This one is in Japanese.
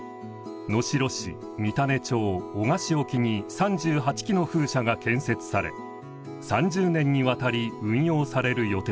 能代市三種町男鹿市沖に３８基の風車が建設され３０年にわたり運用される予定です。